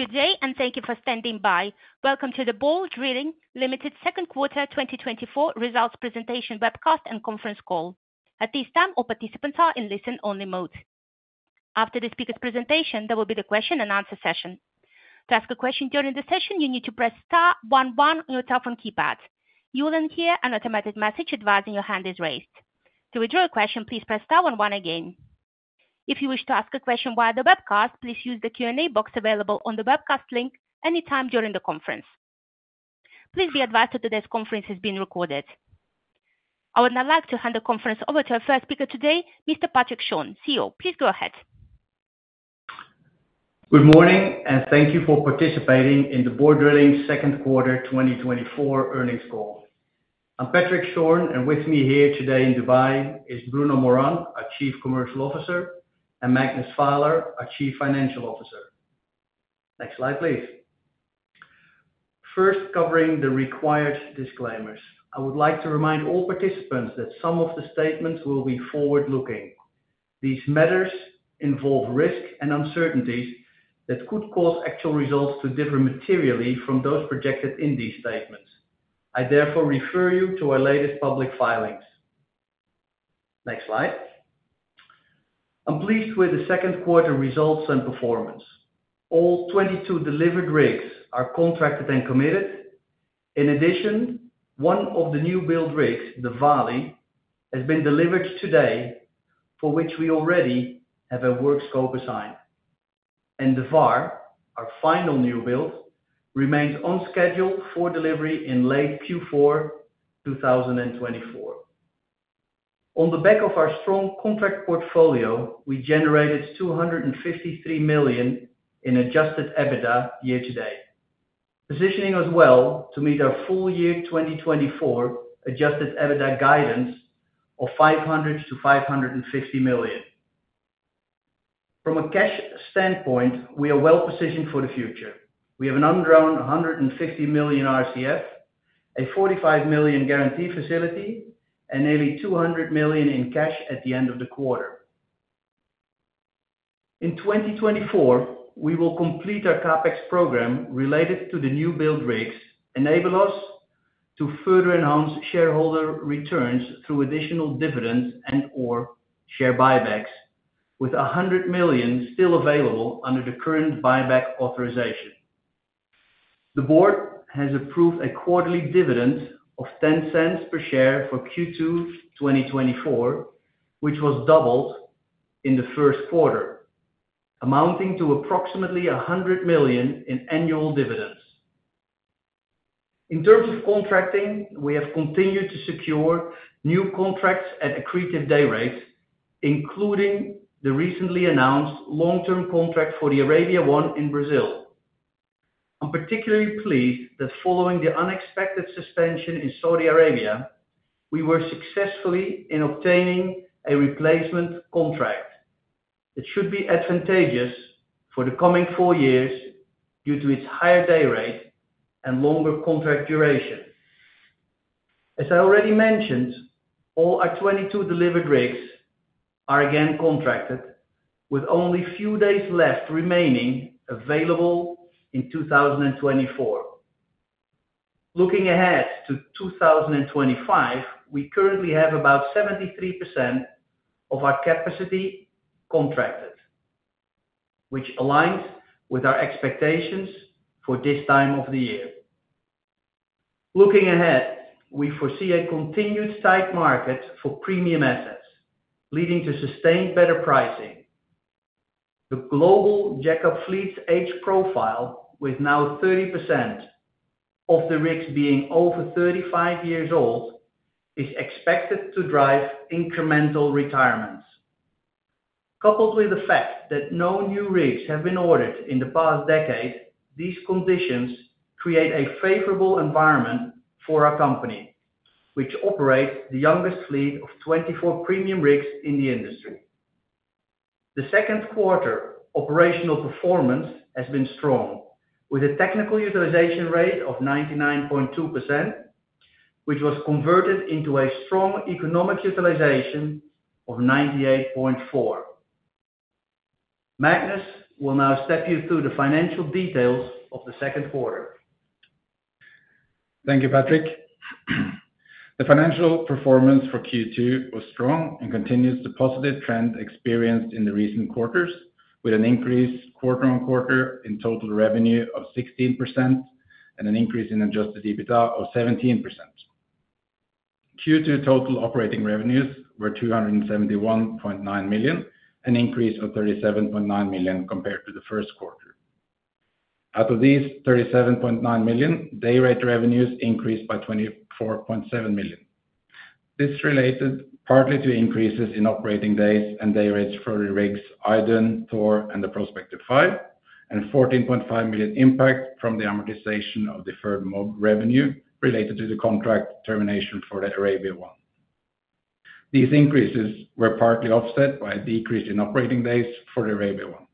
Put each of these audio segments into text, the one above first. Good day, and thank you for standing by. Welcome to the Borr Drilling Limited second quarter 2024 results presentation webcast and conference call. At this time, all participants are in listen-only mode. After the speaker's presentation, there will be the question and answer session. To ask a question during the session, you need to press star one one on your telephone keypad. You will then hear an automatic message advising your hand is raised. To withdraw a question, please press star one one again. If you wish to ask a question via the webcast, please use the Q&A box available on the webcast link anytime during the conference. Please be advised that today's conference is being recorded. I would now like to hand the conference over to our first speaker today, Mr. Patrick Schorn, CEO. Please go ahead. Good morning, and thank you for participating in the Borr Drilling second quarter 2024 earnings call. I'm Patrick Schorn, and with me here today in Dubai is Bruno Morand, our Chief Commercial Officer, and Magnus Vaaler, our Chief Financial Officer. Next slide, please. First, covering the required disclaimers. I would like to remind all participants that some of the statements will be forward-looking. These matters involve risks and uncertainties that could cause actual results to differ materially from those projected in these statements. I therefore refer you to our latest public filings. Next slide. I'm pleased with the second quarter results and performance. All 22 delivered rigs are contracted and committed. In addition, one of the new build rigs, the Vali, has been delivered today, for which we already have a work scope assigned. The Var, our final new build, remains on schedule for delivery in late Q4 2024. On the back of our strong contract portfolio, we generated $253 million in adjusted EBITDA year to date, positioning us well to meet our full year 2024 adjusted EBITDA guidance of $500 million-$550 million. From a cash standpoint, we are well-positioned for the future. We have an undrawn $150 million RCF, a $45 million guarantee facility, and nearly $200 million in cash at the end of the quarter. In 2024, we will complete our CapEx program related to the new build rigs, enable us to further enhance shareholder returns through additional dividends and/or share buybacks, with $100 million still available under the current buyback authorization. The board has approved a quarterly dividend of $0.10 per share for Q2 2024, which was doubled in the first quarter, amounting to approximately $100 million in annual dividends. In terms of contracting, we have continued to secure new contracts at accretive day rates, including the recently announced long-term contract for the Arabia I in Brazil. I'm particularly pleased that following the unexpected suspension in Saudi Arabia, we were successfully in obtaining a replacement contract. It should be advantageous for the coming four years due to its higher day rate and longer contract duration. As I already mentioned, all our 22 delivered rigs are again contracted, with only a few days left remaining available in 2024. Looking ahead to 2025, we currently have about 73% of our capacity contracted, which aligns with our expectations for this time of the year. Looking ahead, we foresee a continued tight market for premium assets, leading to sustained better pricing. The global jack-up fleet's age profile, with now 30% of the rigs being over 35 years old, is expected to drive incremental retirements. Coupled with the fact that no new rigs have been ordered in the past decade, these conditions create a favorable environment for our company, which operates the youngest fleet of 24 premium rigs in the industry. The second quarter operational performance has been strong, with a technical utilization rate of 99.2%, which was converted into a strong economic utilization of 98.4%. Magnus will now step you through the financial details of the second quarter. Thank you, Patrick. The financial performance for Q2 was strong and continues the positive trend experienced in the recent quarters, with an increase quarter on quarter in total revenue of 16% and an increase in adjusted EBITDA of 17%. Q2 total operating revenues were $271.9 million, an increase of $37.9 million compared to the first quarter. Out of these $37.9 million, day rate revenues increased by $24.7 million. This related partly to increases in operating days and day rates for the rigs, Idun, Thor, and Prospector 5, and $14.5 million impact from the amortization of deferred revenue related to the contract termination for the Arabia I. These increases were partly offset by a decrease in operating days for the Arabia I.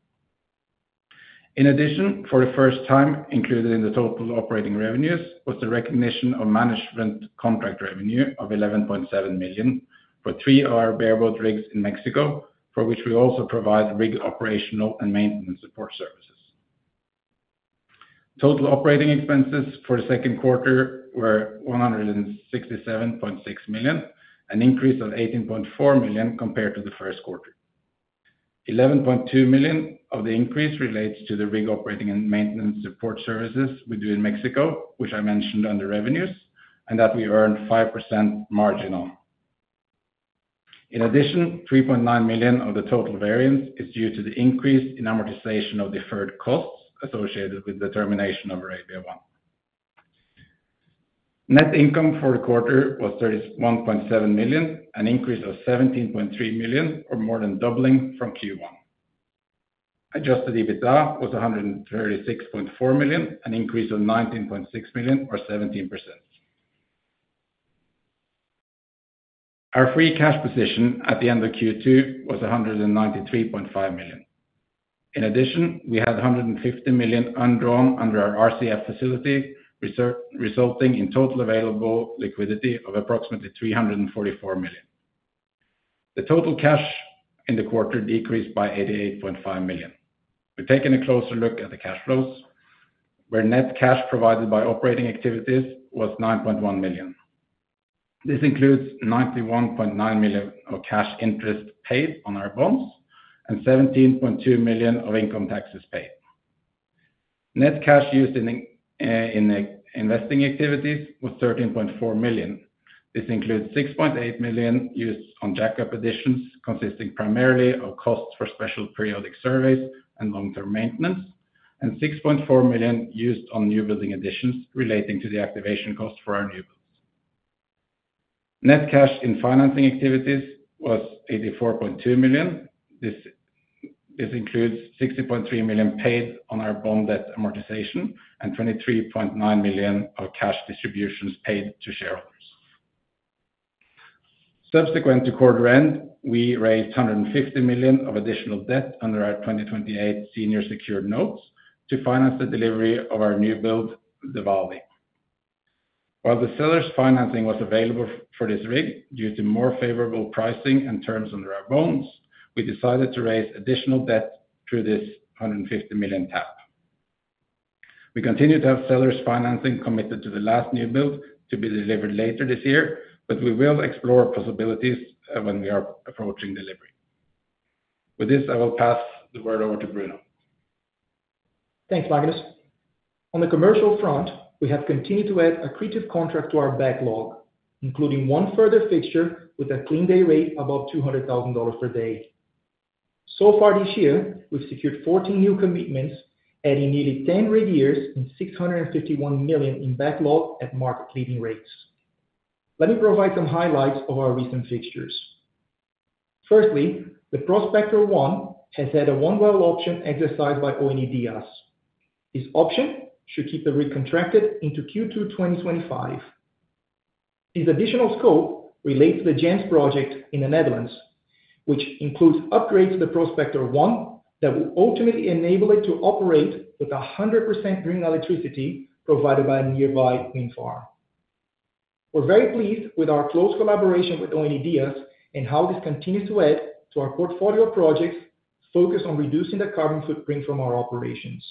In addition, for the first time, included in the total operating revenues was the recognition of management contract revenue of $11.7 million for three of our bareboat rigs in Mexico, for which we also provide rig operating and maintenance support services. Total operating expenses for the second quarter were $167.6 million, an increase of $18.4 million compared to the first quarter. $11.2 million of the increase relates to the rig operating and maintenance support services we do in Mexico, which I mentioned under revenues, and that we earned 5% margin on. In addition, $3.9 million of the total variance is due to the increase in amortization of deferred costs associated with the termination of Arabia I. Net income for the quarter was $31.7 million, an increase of $17.3 million, or more than doubling from Q1. Adjusted EBITDA was $136.4 million, an increase of $19.6 million, or 17%. Our free cash position at the end of Q2 was $193.5 million. In addition, we had $150 million undrawn under our RCF facility, resulting in total available liquidity of approximately $344 million. The total cash in the quarter decreased by $88.5 million. We've taken a closer look at the cash flows, where net cash provided by operating activities was $9.1 million. This includes $91.9 million of cash interest paid on our bonds and $17.2 million of income taxes paid. Net cash used in investing activities was $13.4 million. This includes $6.8 million used on jack-up additions, consisting primarily of costs for special periodic surveys and long-term maintenance, and $6.4 million used on new building additions relating to the activation cost for our new builds. Net cash in financing activities was $84.2 million. This includes $60.3 million paid on our bond debt amortization and $23.9 million of cash distributions paid to shareholders. Subsequent to quarter end, we raised $150 million of additional debt under our 2028 senior secured notes to finance the delivery of our new build, the Vali. While the seller's financing was available for this rig due to more favorable pricing and terms under our bonds, we decided to raise additional debt through this $150 million tap. We continue to have seller's financing committed to the last new build to be delivered later this year, but we will explore possibilities, when we are approaching delivery. With this, I will pass the word over to Bruno. Thanks, Magnus. On the commercial front, we have continued to add accretive contract to our backlog, including one further fixture with a clean day rate above $200,000 per day. So far this year, we've secured 14 new commitments, adding nearly 10 rig years and $651 million in backlog at market-leading rates. Let me provide some highlights of our recent fixtures. Firstly, the Prospector 1 has had a one-well option exercised by ONE-Dyas. This option should keep the rig contracted into Q2 2025. This additional scope relates to the Jansz project in the Netherlands, which includes upgrades to the Prospector 1 that will ultimately enable it to operate with 100% green electricity provided by a nearby wind farm. We're very pleased with our close collaboration with ONE-Dyas and how this continues to add to our portfolio of projects focused on reducing the carbon footprint from our operations.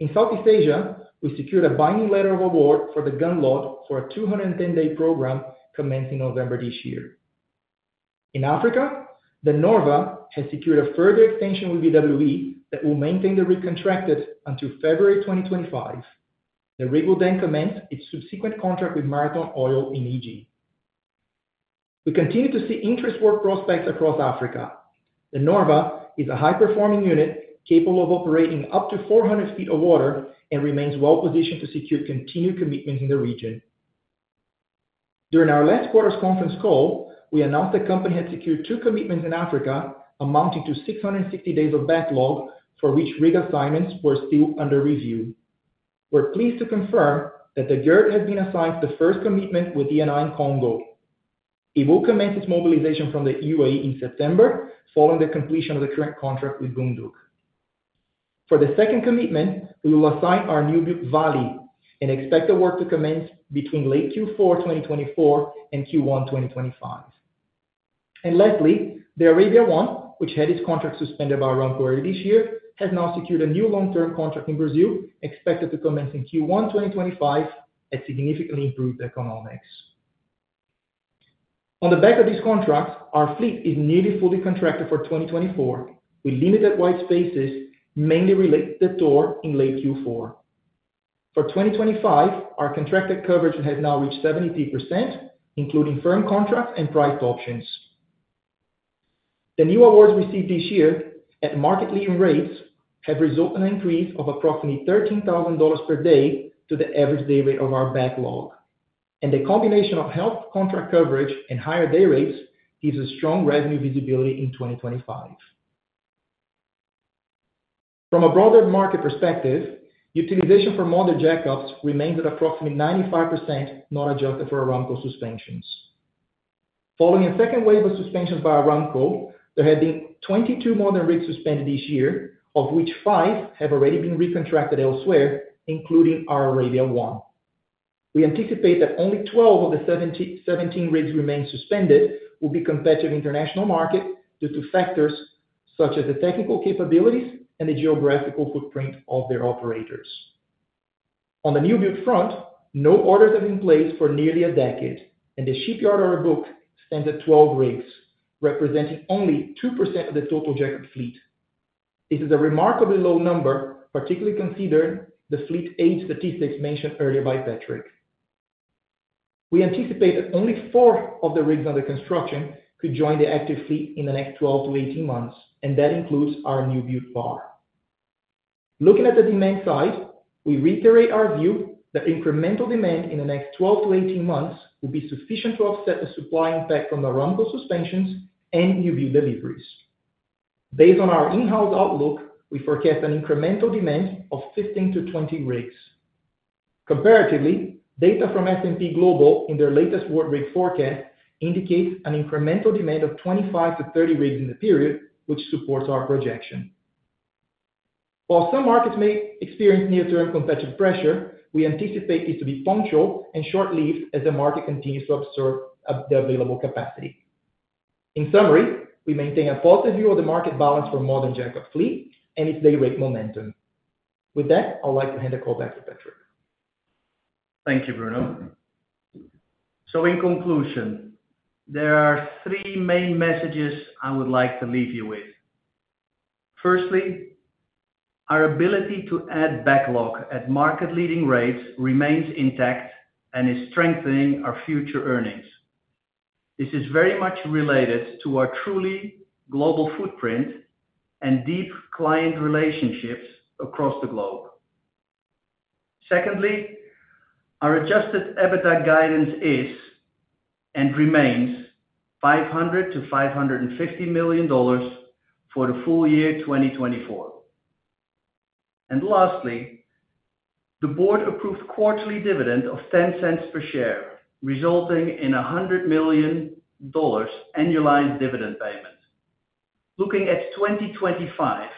In Southeast Asia, we secured a binding letter of award for the Gunlod for a 210-day program commencing November this year. In Africa, the Norve has secured a further extension with BWE that will maintain the rig contracted until February 2025. The rig will then commence its subsequent contract with Marathon Oil in EG. We continue to see interesting work prospects across Africa. The Norve is a high-performing unit, capable of operating up to 400 feet of water and remains well-positioned to secure continued commitments in the region. During our last quarter's conference call, we announced the company had secured two commitments in Africa, amounting to 660 days of backlog, for which rig assignments were still under review. We're pleased to confirm that the Gerd has been assigned the first commitment with Eni in Congo. It will commence its mobilization from the UAE in September, following the completion of the current contract with Gunlod. For the second commitment, we will assign our new build, Vali, and expect the work to commence between late Q4 2024 and Q1 2025. Lastly, the Arabia I, which had its contract suspended by Aramco earlier this year, has now secured a new long-term contract in Brazil, expected to commence in Q1 2025 at significantly improved economics. On the back of this contract, our fleet is nearly fully contracted for 2024, with limited white spaces, mainly related to Thor in late Q4. For 2025, our contracted coverage has now reached 73%, including firm contracts and priced options. The new awards we received this year at market-leading rates have resulted in an increase of approximately $13,000 per day to the average day rate of our backlog, and the combination of high contract coverage and higher day rates gives a strong revenue visibility in 2025. From a broader market perspective, utilization for modern jackups remains at approximately 95%, not adjusted for Aramco suspensions. Following a second wave of suspensions by Aramco, there have been 22 modern rigs suspended this year, of which five have already been recontracted elsewhere, including our Arabia I. We anticipate that only 12 of the 77 rigs that remain suspended will be competitive in the international market due to factors such as the technical capabilities and the geographical footprint of their operators. On the newbuild front, no orders have been placed for nearly a decade, and the shipyard order book stands at 12 rigs, representing only 2% of the total jack-up fleet. This is a remarkably low number, particularly considering the fleet age statistics mentioned earlier by Patrick. We anticipate that only 4 of the rigs under construction could join the active fleet in the next 12 to 18 months, and that includes our newbuild Var. Looking at the demand side, we reiterate our view that incremental demand in the next 12 to 18 months will be sufficient to offset the supply impact from the remaining suspensions and newbuild deliveries. Based on our in-house outlook, we forecast an incremental demand of 15-20 rigs. Comparatively, data from S&P Global in their latest World Rig Forecast indicates an incremental demand of 25-30 rigs in the period, which supports our projection. While some markets may experience near-term competitive pressure, we anticipate it to be functional and short-lived as the market continues to absorb the available capacity. In summary, we maintain a positive view of the market balance for modern jack-up fleet and its day rate momentum. With that, I'd like to hand it back over to Patrick. Thank you, Bruno. So in conclusion, there are three main messages I would like to leave you with. Firstly, our ability to add backlog at market leading rates remains intact and is strengthening our future earnings. This is very much related to our truly global footprint and deep client relationships across the globe. Secondly, our adjusted EBITDA guidance is and remains $500-$550 million for the full year 2024. And lastly, the board approved quarterly dividend of $0.10 per share, resulting in $100 million annualized dividend payment. Looking at 2025,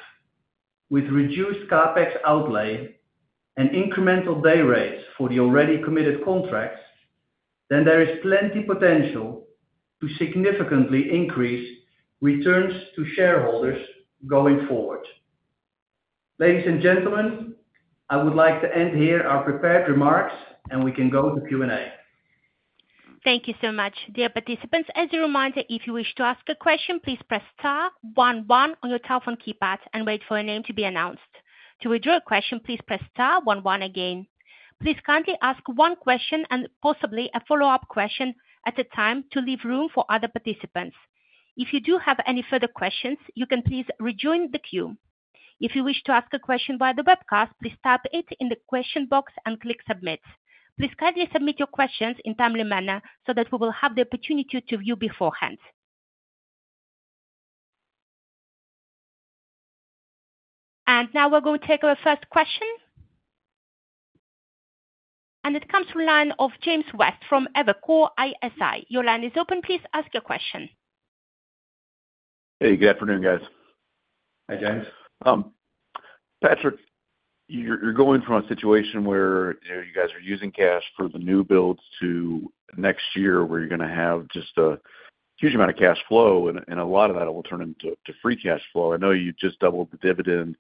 with reduced CapEx outlay and incremental day rates for the already committed contracts, then there is plenty potential to significantly increase returns to shareholders going forward. Ladies and gentlemen, I would like to end here our prepared remarks, and we can go to the Q&A. Thank you so much. Dear participants, as a reminder, if you wish to ask a question, please press star one one on your telephone keypad and wait for your name to be announced. To withdraw a question, please press star one one again. Please kindly ask one question and possibly a follow-up question at a time to leave room for other participants. If you do have any further questions, you can please rejoin the queue. If you wish to ask a question via the webcast, please type it in the question box and click submit. Please kindly submit your questions in timely manner, so that we will have the opportunity to review beforehand. Now we'll go take our first question. It comes from the line of James West from Evercore ISI. Your line is open. Please ask your question. Hey, good afternoon, guys. Hi, James. Patrick, you're going from a situation where, you know, you guys are using cash for the new builds to next year, where you're gonna have just a huge amount of cash flow, and a lot of that will turn into free cash flow. I know you just doubled the dividend,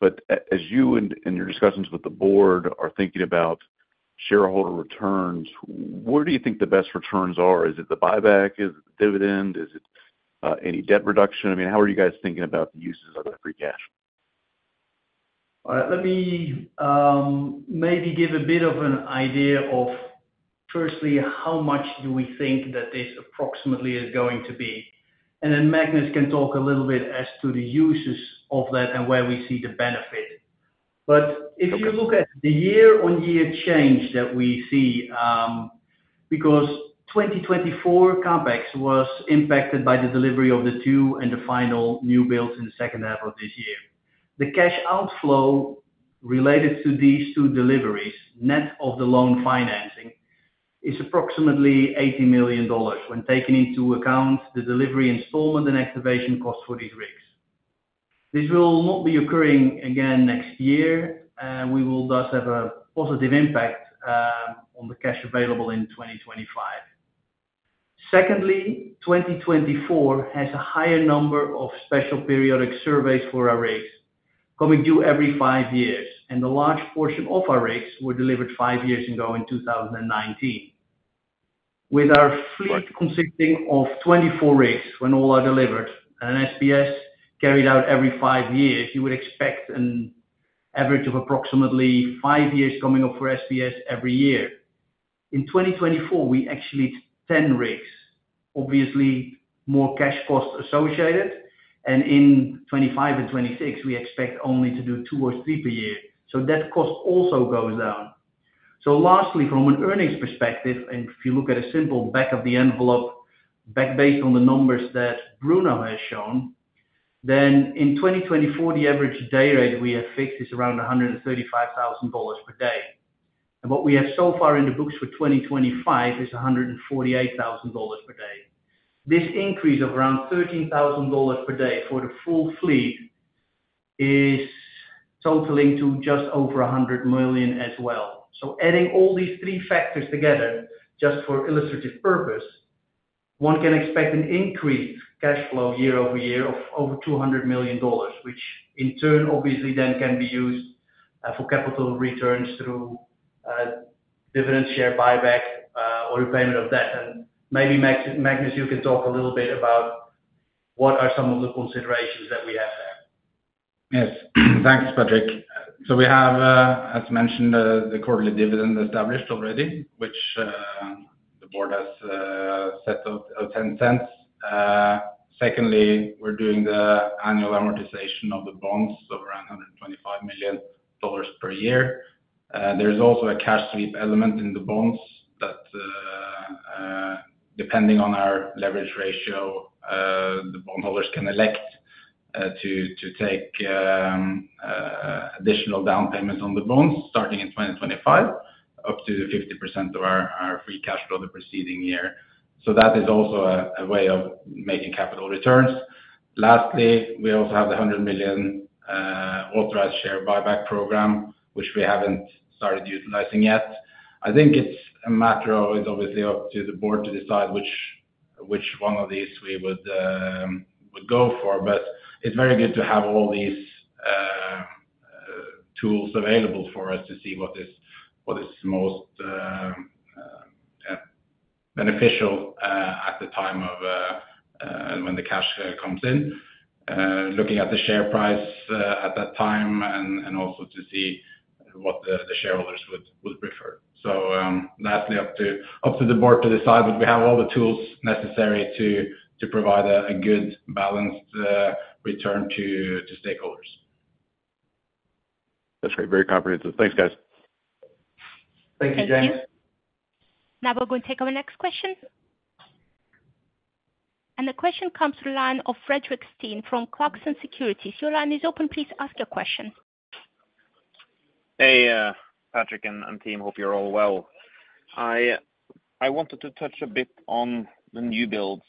but as you and your discussions with the board are thinking about shareholder returns, where do you think the best returns are? Is it the buyback, is it the dividend? Is it any debt reduction? I mean, how are you guys thinking about the uses of that free cash? All right. Let me maybe give a bit of an idea of, firstly, how much do we think that this approximately is going to be, and then Magnus can talk a little bit as to the uses of that and where we see the benefit. But if you look at the year-on-year change that we see, because 2024 CapEx was impacted by the delivery of the two and the final new builds in the second half of this year. The cash outflow related to these two deliveries, net of the loan financing, is approximately $80 million when taking into account the delivery installment and activation costs for these rigs. This will not be occurring again next year, we will thus have a positive impact on the cash available in 2025. Secondly, 2024 has a higher number of special periodic surveys for our rigs, coming due every 5 years, and a large portion of our rigs were delivered 5 years ago in 2019. With our fleet consisting of 24 rigs, when all are delivered, and an SPS carried out every 5 years, you would expect an average of approximately 5 SPS coming up every year. In 2024, we actually did 10 rigs, obviously more cash costs associated, and in 2025 and 2026, we expect only to do 2 or 3 per year, so that cost also goes down. So lastly, from an earnings perspective, and if you look at a simple back-of-the-envelope based on the numbers that Bruno has shown, then in 2024, the average day rate we have fixed is around $135,000 per day. And what we have so far in the books for 2025 is $148,000 per day. This increase of around $13,000 per day for the full fleet is totaling to just over $100 million as well. So adding all these three factors together, just for illustrative purpose, one can expect an increased cash flow year-over-year of over $200 million, which in turn, obviously then can be used for capital returns through dividend share buyback or repayment of debt. Maybe Magnus, you can talk a little bit about what are some of the considerations that we have there. Yes. Thanks, Patrick. So we have, as mentioned, the quarterly dividend established already, which the board has set at 10 cents. Secondly, we're doing the annual amortization of the bonds of around $125 million per year. There is also a cash sweep element in the bonds that, depending on our leverage ratio, the bondholders can elect to take additional down payments on the bonds starting in 2025, up to 50% of our free cash flow the preceding year. So that is also a way of making capital returns. Lastly, we also have the $100 million authorized share buyback program, which we haven't started utilizing yet. I think it's a matter of, it's obviously up to the board to decide which one of these we would go for, but it's very good to have all these tools available for us to see what is most beneficial at the time when the cash flow comes in. Looking at the share price at that time, and also to see what the shareholders would prefer. So, lastly, up to the board to decide, but we have all the tools necessary to provide a good balanced return to stakeholders. That's great. Very comprehensive. Thanks, guys. Thank you, James. Thank you. Now we're going to take our next question. The question comes through the line of Fredrik Stene from Clarksons Securities. Your line is open, please ask your question. Hey, Patrick and team, hope you're all well. I wanted to touch a bit on the new builds.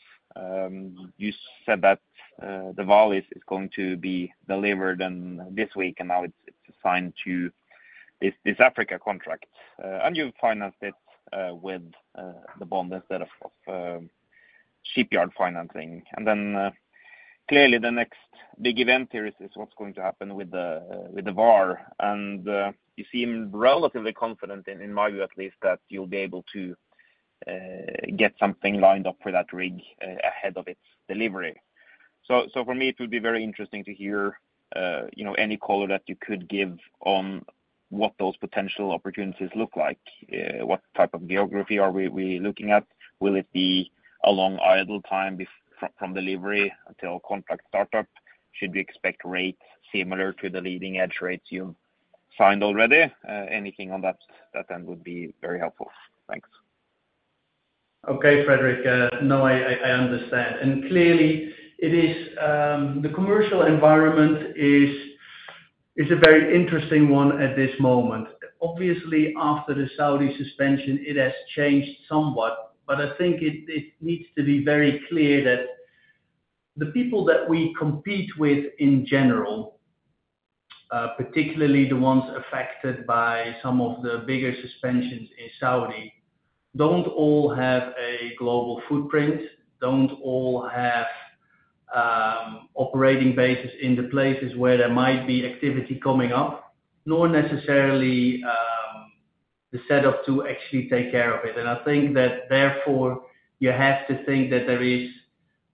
You said that the Vali is going to be delivered this week, and now it's assigned to this Africa contract, and you've financed it with the bond instead of shipyard financing. And then, clearly, the next big event here is what's going to happen with the Var. And you seem relatively confident, in my view at least, that you'll be able to get something lined up for that rig ahead of its delivery. So for me, it will be very interesting to hear, you know, any color that you could give on what those potential opportunities look like. What type of geography are we looking at? Will it be a long idle time from delivery until contract startup? Should we expect rates similar to the leading edge rates you signed already? Anything on that then would be very helpful. Thanks. Okay, Fredrik, no, I understand. And clearly, it is the commercial environment is a very interesting one at this moment. Obviously, after the Saudi suspension, it has changed somewhat, but I think it needs to be very clear that the people that we compete with in general, particularly the ones affected by some of the bigger suspensions in Saudi, don't all have a global footprint, don't all have operating bases in the places where there might be activity coming up, nor necessarily the setup to actually take care of it. And I think that therefore, you have to think that there is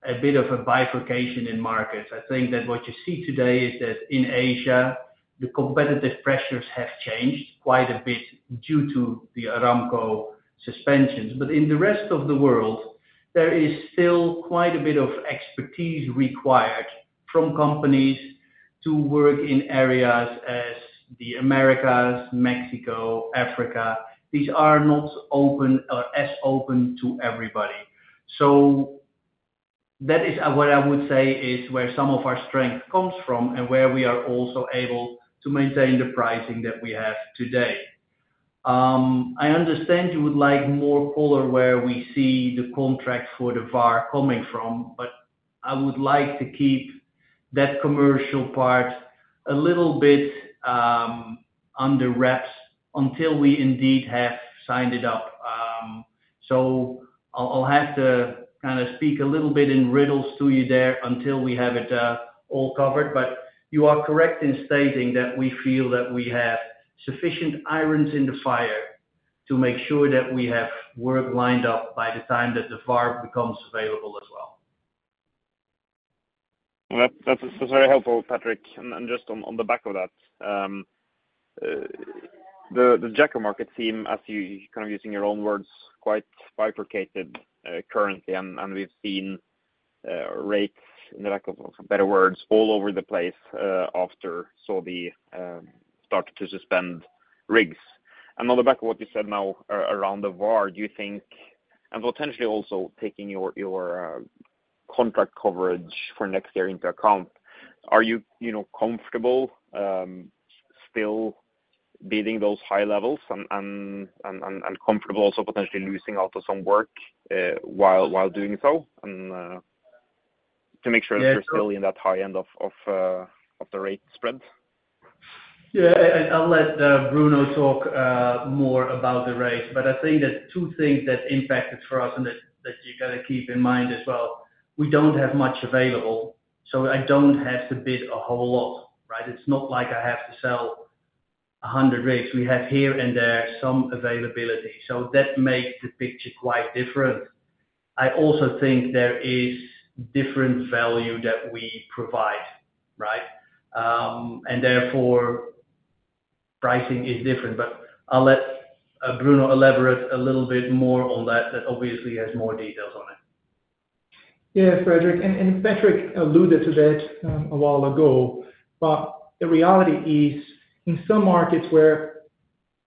a bit of a bifurcation in markets. I think that what you see today is that in Asia, the competitive pressures have changed quite a bit due to the Aramco suspensions. But in the rest of the world, there is still quite a bit of expertise required from companies to work in areas as the Americas, Mexico, Africa. These are not open or as open to everybody. So that is what I would say is where some of our strength comes from and where we are also able to maintain the pricing that we have today. I understand you would like more color where we see the contracts for the Var coming from, but I would like to keep that commercial part a little bit under wraps until we indeed have signed it up. So I'll, I'll have to kinda speak a little bit in riddles to you there until we have it all covered. You are correct in stating that we feel that we have sufficient irons in the fire to make sure that we have work lined up by the time that the Var becomes available as well. Well, that was very helpful, Patrick. And just on the back of that, the jack-up market seems, as you kind of using your own words, quite bifurcated, currently, and we've seen rates, in the lack of better words, all over the place, after Saudi started to suspend rigs. And on the back of what you said now around the Var, do you think and potentially also taking your contract coverage for next year into account, are you, you know, comfortable still bidding those high levels and comfortable also potentially losing out to some work, while doing so, and to make sure that you're still in that high end of the rate spread? Yeah, I'll let Bruno talk more about the rates, but I think that two things that impacted for us and that you gotta keep in mind as well, we don't have much available, so I don't have to bid a whole lot, right? It's not like I have to sell a hundred rigs. We have here and there some availability, so that makes the picture quite different. I also think there is different value that we provide, right? And therefore, pricing is different. But I'll let Bruno elaborate a little bit more on that, that obviously has more details on it. Yeah, Fredrik, and Patrick alluded to that a while ago, but the reality is, in some markets where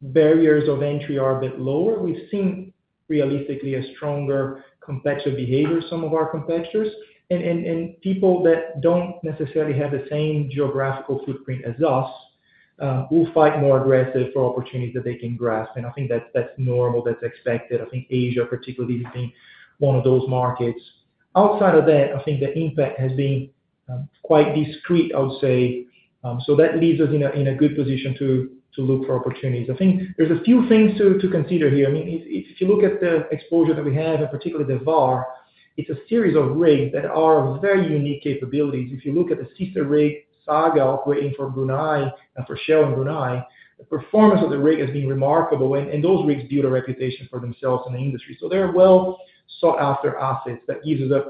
barriers of entry are a bit lower, we've seen realistically a stronger competitive behavior, some of our competitors, and people that don't necessarily have the same geographical footprint as us, will fight more aggressive for opportunities that they can grasp. And I think that's normal. That's expected. I think Asia, particularly has been one of those markets. Outside of that, I think the impact has been quite discreet, I would say. So that leaves us in a good position to look for opportunities. I think there's a few things to consider here. I mean, if you look at the exposure that we have, and particularly the Var, it's a series of rigs that are very unique capabilities. If you look at the sister rig Saga operating for Brunei and for Shell in Brunei, the performance of the rig has been remarkable, and those rigs build a reputation for themselves in the industry. So they're well sought after assets. That gives us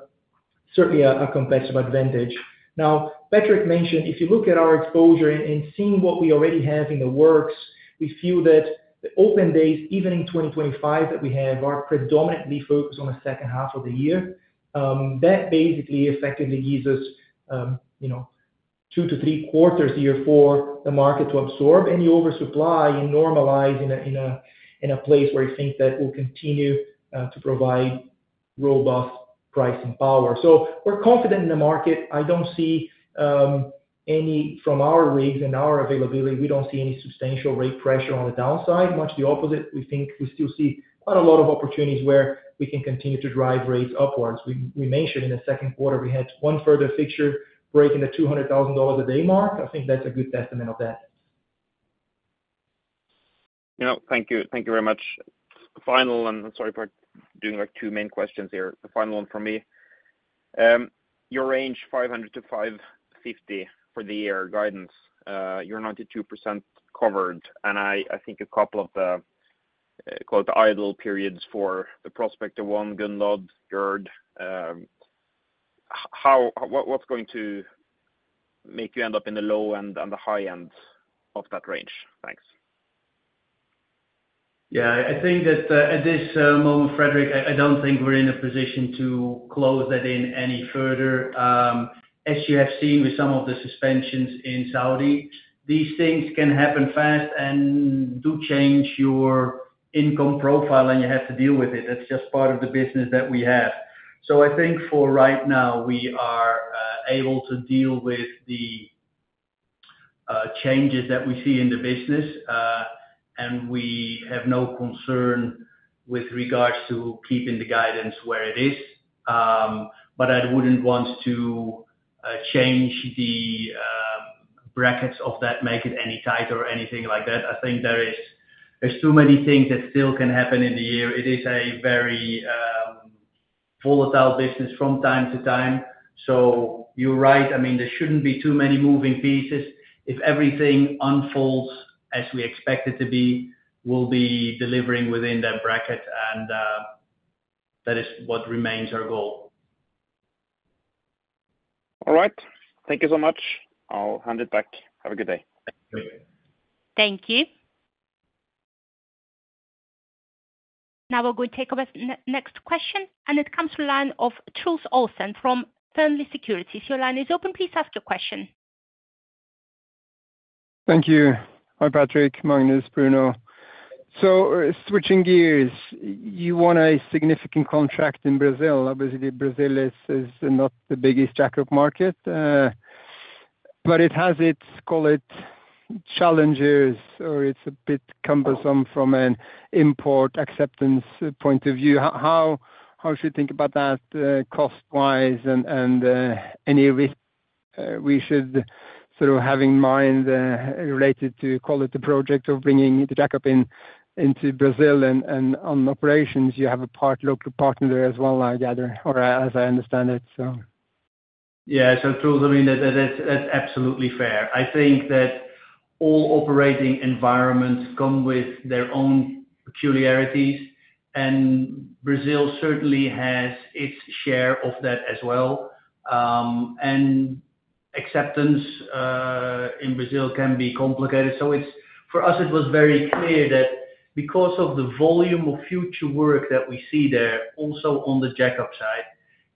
certainly a competitive advantage. Now, Patrick mentioned, if you look at our exposure and seeing what we already have in the works, we feel that the open days, even in 2025, that we have, are predominantly focused on the second half of the year. That basically effectively gives us, you know, two to three quarters a year for the market to absorb any oversupply and normalize in a place where you think that will continue to provide robust pricing power. So we're confident in the market. I don't see any from our rigs and our availability. We don't see any substantial rig pressure on the downside. Much the opposite, we think we still see quite a lot of opportunities where we can continue to drive rigs upwards. We mentioned in the second quarter, we had one further fixture breaking the $200,000 a day mark. I think that's a good testament of that. You know, thank you. Thank you very much. Finally, and I'm sorry for doing, like, two main questions here. The final one from me. Your range $500-$550 for the year guidance, you're 92% covered, and I, I think a couple of the, quote, the idle periods for the Prospector 1, Gunlod, Gerd, what's going to make you end up in the low end and the high end of that range? Thanks. Yeah, I think that at this moment, Fredrik, I don't think we're in a position to close that in any further. As you have seen with some of the suspensions in Saudi, these things can happen fast and do change your income profile, and you have to deal with it. That's just part of the business that we have. So I think for right now, we are able to deal with the changes that we see in the business, and we have no concern with regards to keeping the guidance where it is. But I wouldn't want to change the brackets of that, make it any tighter or anything like that. I think there is, there's too many things that still can happen in the year. It is a very volatile business from time to time. You're right, I mean, there shouldn't be too many moving pieces. If everything unfolds as we expect it to be, we'll be delivering within that bracket, and that is what remains our goal. All right. Thank you so much. I'll hand it back. Have a good day. Thank you. Thank you. Now we're going to take our next question, and it comes from the line of Truls Olsen from Fearnley Securities. Your line is open. Please ask your question. Thank you. Hi, Patrick. Magnus, Bruno. So switching gears, you won a significant contract in Brazil. Obviously, Brazil is not the biggest jack-up market, but it has its, call it, challenges, or it's a bit cumbersome from an import acceptance point of view. How, how do you think about that, cost-wise, and any risk we should sort of have in mind related to quality project of bringing the jack-up into Brazil and on operations, you have a local partner there as well, I gather, or as I understand it, so. Yeah, so Truls, I mean, that's absolutely fair. I think that all operating environments come with their own peculiarities, and Brazil certainly has its share of that as well. And acceptance in Brazil can be complicated. So it's for us, it was very clear that because of the volume of future work that we see there, also on the jack-up side,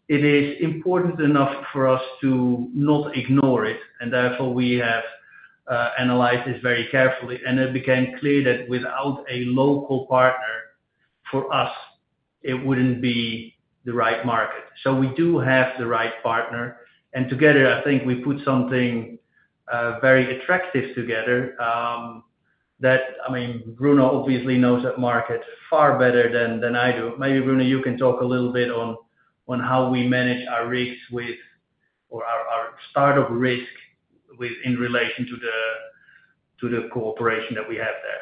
it is important enough for us to not ignore it, and therefore, we have analyzed this very carefully. And it became clear that without a local partner for us, it wouldn't be the right market. So we do have the right partner, and together, I think we put something very attractive together, that I mean, Bruno obviously knows that market far better than I do. Maybe, Bruno, you can talk a little bit on how we manage our risks or our strategic risk in relation to the cooperation that we have there.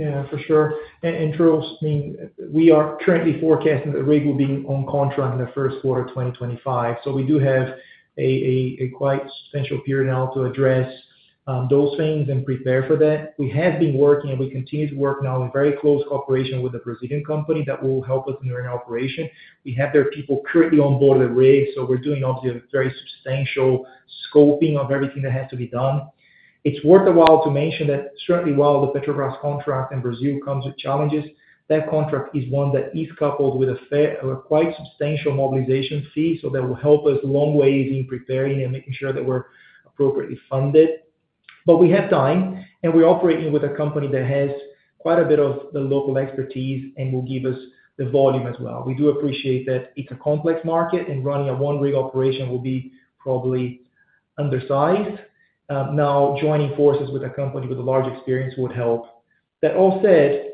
Yeah, for sure. And Charles, I mean, we are currently forecasting the rig will be on contract in the first quarter of 2025. So we do have a quite substantial period now to address those things and prepare for that. We have been working, and we continue to work now in very close cooperation with the Brazilian company that will help us during operation. We have their people currently on board the rig, so we're doing obviously a very substantial scoping of everything that has to be done. It's worth a while to mention that certainly while the Petrobras contract in Brazil comes with challenges, that contract is one that is coupled with a fairly quite substantial mobilization fee, so that will help us a long way in preparing and making sure that we're appropriately funded. But we have time, and we're operating with a company that has quite a bit of the local expertise and will give us the volume as well. We do appreciate that it's a complex market, and running a one rig operation will be probably undersized. Now, joining forces with a company with a large experience would help. That all said,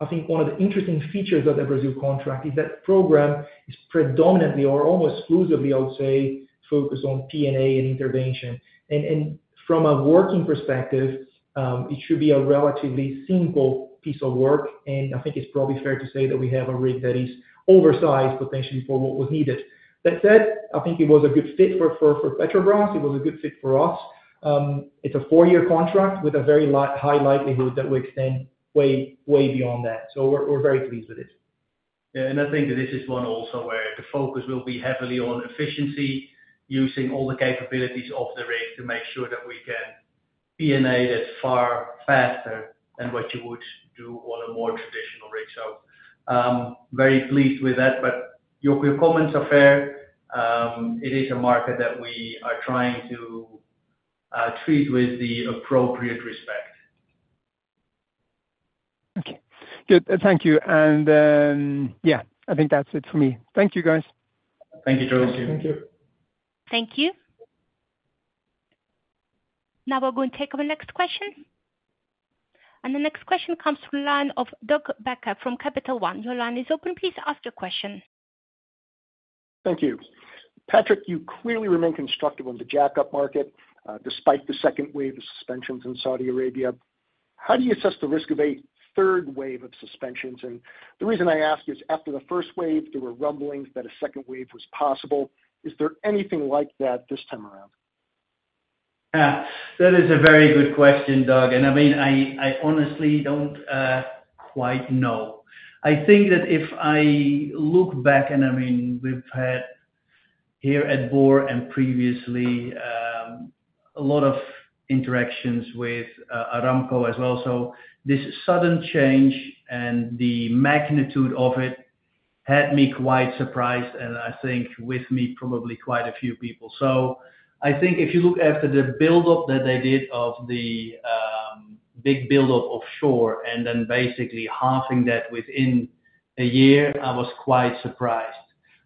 I think one of the interesting features of the Brazil contract is that program is predominantly or almost exclusively, I would say, focused on P&A and intervention. And from a working perspective, it should be a relatively simple piece of work, and I think it's probably fair to say that we have a rig that is oversized, potentially for what was needed. That said, I think it was a good fit for Petrobras. It was a good fit for us. It's a four-year contract with a very high likelihood that we extend way, way beyond that. So we're very pleased with it. Yeah, and I think that this is one also where the focus will be heavily on efficiency, using all the capabilities of the rig to make sure that we can P&A that far faster than what you would do on a more traditional rig. So, very pleased with that, but your, your comments are fair. It is a market that we are trying to, treat with the appropriate respect. Okay. Good. Thank you. Yeah, I think that's it for me. Thank you, guys. Thank you, Charles. Thank you. Thank you. Now, we're going to take our next question. The next question comes from the line of Doug Becker from Capital One. Your line is open. Please ask your question. Thank you. Patrick, you clearly remain constructive on the jackup market, despite the second wave of suspensions in Saudi Arabia. How do you assess the risk of a third wave of suspensions? And the reason I ask is, after the first wave, there were rumblings that a second wave was possible. Is there anything like that this time around? Yeah, that is a very good question, Doug. And I mean, I, I honestly don't quite know. I think that if I look back, and I mean, we've had here at Borr and previously, a lot of interactions with Aramco as well. So this sudden change and the magnitude of it had me quite surprised, and I think with me, probably quite a few people. So I think if you look after the buildup that they did of the big buildup offshore and then basically halving that within a year, I was quite surprised.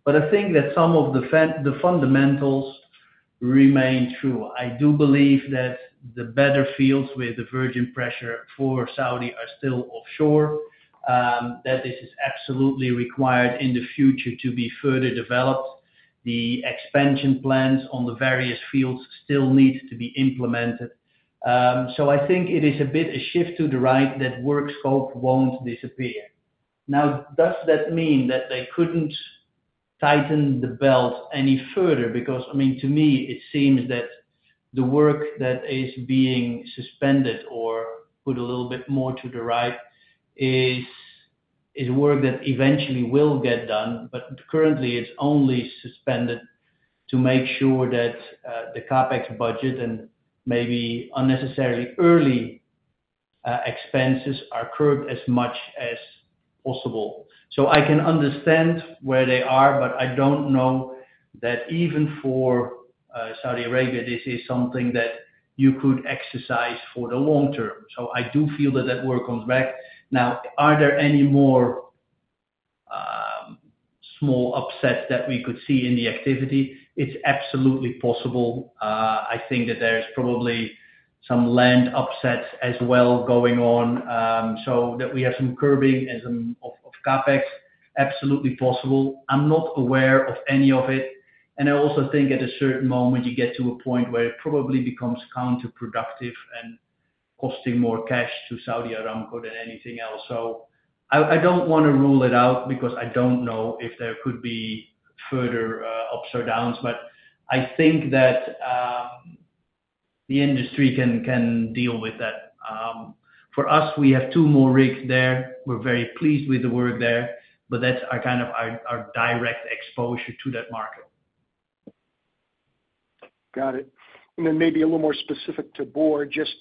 But I think that some of the fundamentals remain true. I do believe that the better fields with the virgin pressure for Saudi are still offshore, that this is absolutely required in the future to be further developed. The expansion plans on the various fields still need to be implemented. So I think it is a bit a shift to the right, that work scope won't disappear. Now, does that mean that they couldn't tighten the belt any further? Because, I mean, to me, it seems that the work that is being suspended or put a little bit more to the right is work that eventually will get done, but currently it's only suspended to make sure that the CapEx budget and maybe unnecessarily early expenses are curbed as much as possible. So I can understand where they are, but I don't know that even for Saudi Arabia, this is something that you could exercise for the long term. So I do feel that that work comes back. Now, are there any more small upsets that we could see in the activity? It's absolutely possible. I think that there's probably some land upsides as well going on, so that we have some curbing and some of CapEx. Absolutely possible. I'm not aware of any of it, and I also think at a certain moment, you get to a point where it probably becomes counterproductive and costing more cash to Saudi Aramco than anything else. So I don't wanna rule it out because I don't know if there could be further ups or downs, but I think that the industry can deal with that. For us, we have two more rigs there. We're very pleased with the work there, but that's kind of our direct exposure to that market. Got it. And then maybe a little more specific to Borr, just,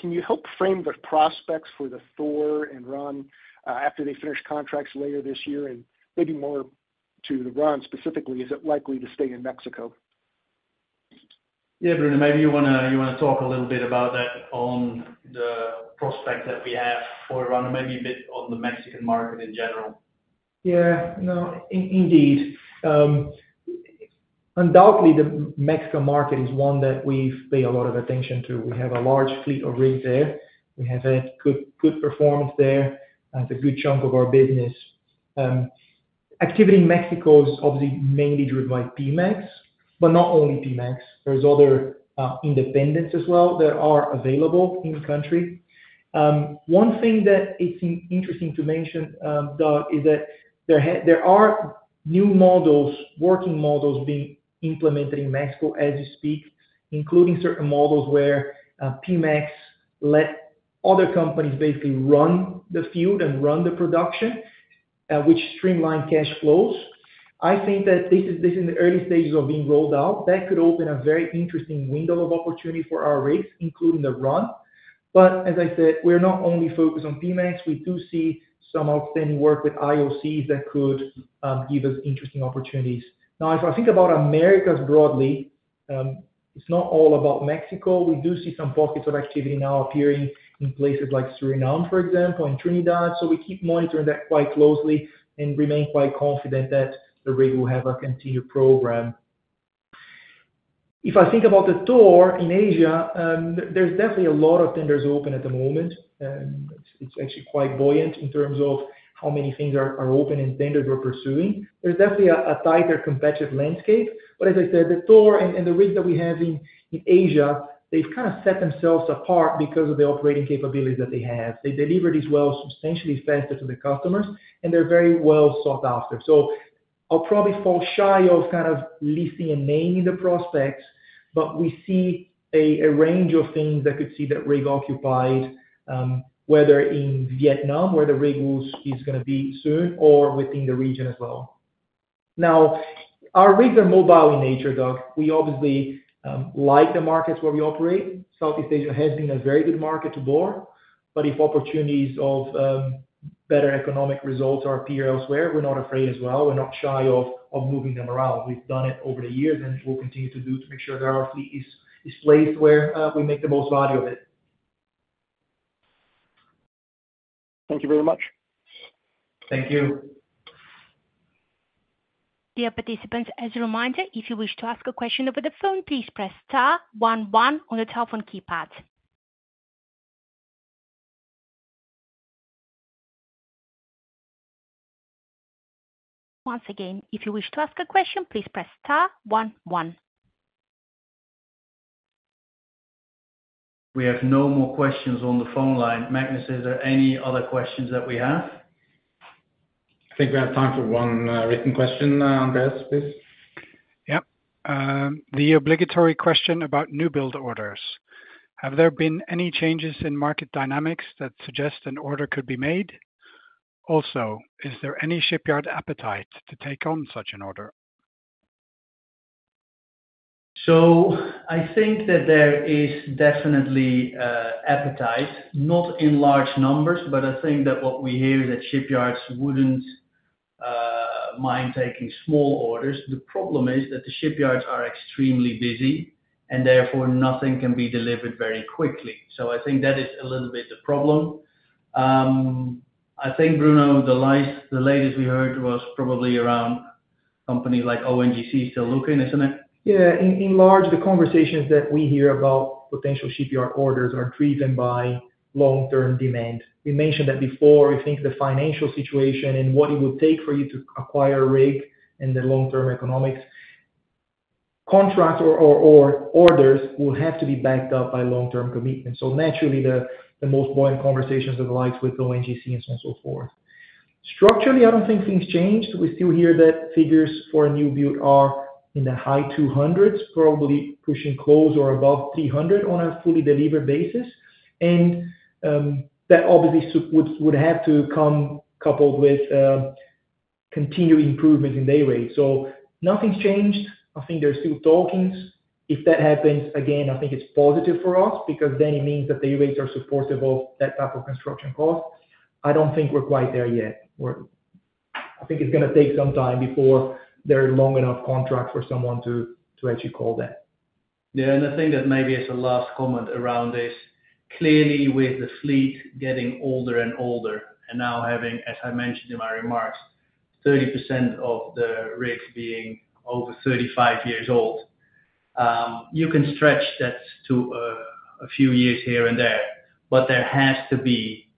can you help frame the prospects for the Thor and Ran, after they finish contracts later this year? And maybe more to the Ran specifically, is it likely to stay in Mexico? ... Yeah, Bruno, maybe you wanna, you wanna talk a little bit about that on the prospect that we have for around maybe a bit on the Mexican market in general? Yeah, no, indeed. Undoubtedly, the Mexican market is one that we pay a lot of attention to. We have a large fleet of rigs there. We have a good, good performance there, it's a good chunk of our business. Activity in Mexico is obviously mainly driven by Pemex, but not only Pemex, there's other independents as well that are available in country. One thing that it's interesting to mention, Doug, is that there are new models, working models, being implemented in Mexico as we speak, including certain models where Pemex let other companies basically run the field and run the production, which streamline cash flows. I think that this is, this is in the early stages of being rolled out. That could open a very interesting window of opportunity for our rigs, including the Ran. But as I said, we're not only focused on Pemex; we do see some outstanding work with IOCs that could give us interesting opportunities. Now, if I think about Americas broadly, it's not all about Mexico. We do see some pockets of activity now appearing in places like Suriname, for example, and Trinidad. So we keep monitoring that quite closely and remain quite confident that the rig will have a continued program. If I think about the Thor in Asia, there's definitely a lot of tenders open at the moment, and it's actually quite buoyant in terms of how many things are open and tenders we're pursuing. There's definitely a tighter competitive landscape, but as I said, the Thor and the rigs that we have in Asia, they've kind of set themselves apart because of the operating capability that they have. They deliver these wells substantially faster to the customers, and they're very well sought after. So I'll probably fall shy of kind of listing a name in the prospects, but we see a range of things that could see that rig occupied, whether in Vietnam, where the rig move is gonna be soon or within the region as well. Now, our rigs are mobile in nature, Doug. We obviously like the markets where we operate. Southeast Asia has been a very good market to Borr, but if opportunities of better economic results appear elsewhere, we're not afraid as well. We're not shy of moving them around. We've done it over the years, and we'll continue to do to make sure that our fleet is placed where we make the most value of it. Thank you very much. Thank you. Dear participants, as a reminder, if you wish to ask a question over the phone, please press star one one on the telephone keypad. Once again, if you wish to ask a question, please press star one one. We have no more questions on the phone line. Magnus, is there any other questions that we have? I think we have time for one, written question, on this, please. Yep. The obligatory question about new build orders. Have there been any changes in market dynamics that suggest an order could be made? Also, is there any shipyard appetite to take on such an order? So I think that there is definitely appetite, not in large numbers, but I think that what we hear is that shipyards wouldn't mind taking small orders. The problem is that the shipyards are extremely busy, and therefore, nothing can be delivered very quickly. So I think that is a little bit the problem. I think, Bruno, the latest we heard was probably around companies like ONGC still looking, isn't it? Yeah, in large, the conversations that we hear about potential shipyard orders are driven by long-term demand. We mentioned that before. We think the financial situation and what it would take for you to acquire a rig and the long-term economics, contracts or orders will have to be backed up by long-term commitment. So naturally, the most buoyant conversations are the likes with ONGC and so forth. Structurally, I don't think things changed. We still hear that figures for a new build are in the high $200s, probably pushing close or above $300 on a fully delivered basis. And that obviously would have to come coupled with continued improvement in day rate. So nothing's changed. I think they're still talking. If that happens, again, I think it's positive for us because then it means that the day rates are supportable, that type of construction cost. I don't think we're quite there yet. We're. I think it's gonna take some time before there are long enough contracts for someone to actually call that. Yeah, and I think that maybe as a last comment around this, clearly, with the fleet getting older and older, and now having, as I mentioned in my remarks, 30% of the rigs being over 35 years old, you can stretch that to a few years here and there, but there has to be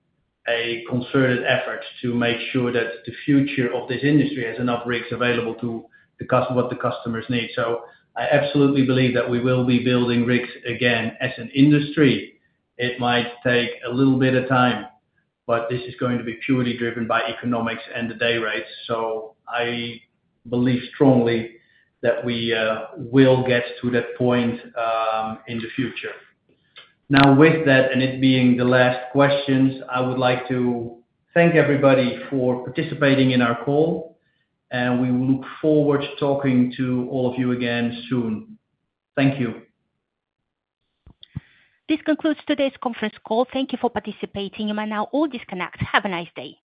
a concerted effort to make sure that the future of this industry has enough rigs available to the customers need. So I absolutely believe that we will be building rigs again as an industry. It might take a little bit of time, but this is going to be purely driven by economics and the day rates. So I believe strongly that we will get to that point in the future. Now, with that, and it being the last questions, I would like to thank everybody for participating in our call, and we look forward to talking to all of you again soon. Thank you. This concludes today's conference call. Thank you for participating. You may now all disconnect. Have a nice day.